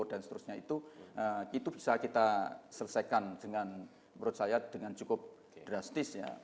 dan seterusnya itu itu bisa kita selesaikan dengan menurut saya dengan cukup drastis